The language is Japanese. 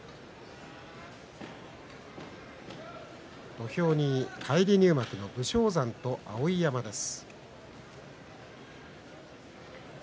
土俵に返り入幕の武将山と碧山です。